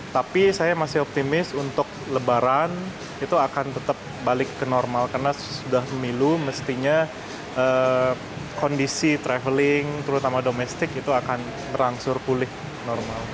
tapi saya masih optimis untuk lebaran itu akan tetap balik ke normal karena sudah memilu mestinya kondisi traveling terutama domestik itu akan berangsur pulih normal